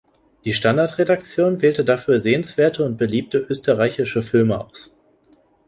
Die "Standard"-Redaktion wählte dafür „sehenswerte“ und „beliebte“ österreichische Filme aus.